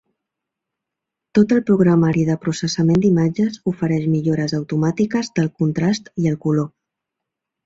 Tot el programari de processament d'imatges ofereix millores automàtiques del contrast i el color.